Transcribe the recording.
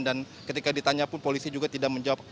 dan ketika ditanya pun polisi juga tidak menjawab